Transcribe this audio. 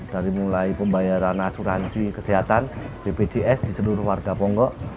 dari mulai pembayaran asuransi kesehatan bpjs di seluruh warga ponggok